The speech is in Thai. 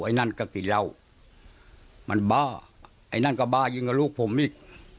ไอ้นั่นก็กินเหล้ามันบ้าไอ้นั่นก็บ้ายิงกับลูกผมอีก